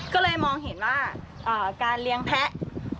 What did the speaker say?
ก็เลยมองเห็นว่าการเลี้ยงแพะ